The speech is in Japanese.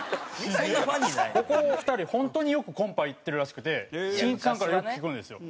ここ２人本当によくコンパ行ってるらしくてしんいちさんからよく聞くんですよ。